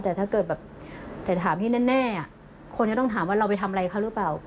แต่ถ้าเกิดแบบแต่ถามที่แน่คนก็ต้องถามว่าเราไปทำอะไรเขาหรือเปล่า